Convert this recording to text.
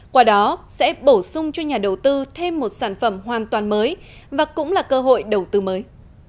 qua đó sẽ bổ sung cho nhà đầu tư thêm một sản phẩm hoàn toàn mới và cũng là cơ hội đầu tư mới